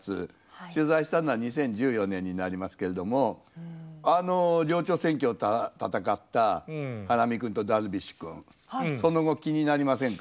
取材したのは２０１４年になりますけれどもあの寮長選挙を戦ったハラミ君とダルビッシュ君その後気になりませんか？